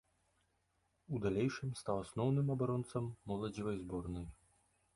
У далейшым стаў асноўным абаронцам моладзевай зборнай.